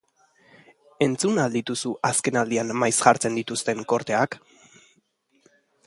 Entzun al dituzu azken aldian maiz jartzen dituzten korteak?